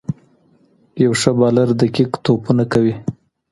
یو ښه بالر دقیق توپونه کوي.